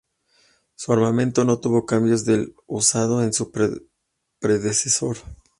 Su armamento no tuvo cambios del usado en su predecesor.